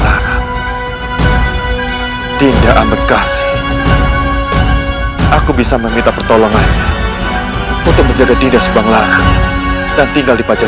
hai elite amed kasih aku bisa meminta pertolongannya pun jes hilarious bang ferra dan tinggal di pajak